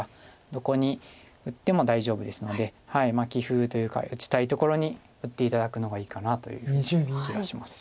どこに打っても大丈夫ですので棋風というか打ちたいところに打って頂くのがいいかなというふうな気がします。